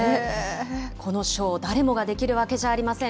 このショー、誰もができるわけじゃありません。